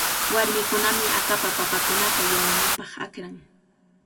Warmikunami akapa papakunata yanunapaq akran.